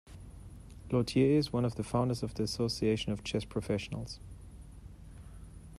Lautier is one of the founders of the Association of Chess Professionals.